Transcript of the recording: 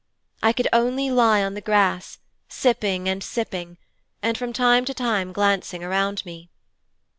I could only lie on the grass, sipping and sipping, and from time to time glancing around me.